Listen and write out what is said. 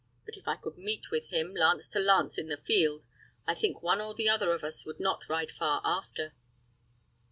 But if I could meet with him, lance to lance, in the field, I think one or the other of us would not ride far after."